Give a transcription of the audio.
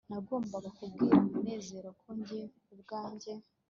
nagombaga kubwira munezero ko njye ubwanjye